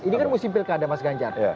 ini kan musim pilkada mas ganjar